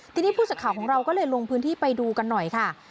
ทีนี้ผู้สักข่าวของเราก็เลยลงพื้นที่ไปดูกันหน่อยค่ะ